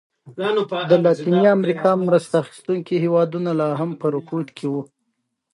د لاتینې امریکا مرسته اخیستونکي هېوادونه لا هم په رکود کې وو.